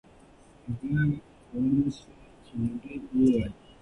هغې کولای سوای چې لنډۍ ووایي.